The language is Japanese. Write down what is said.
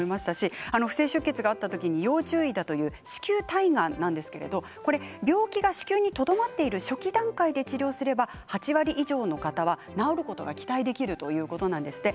不正出血があった時に要注意という子宮体がんなんですがこれは病気が子宮にとどまっている初期段階で治療すれば８割以上の方は治ることが期待できるということなんです。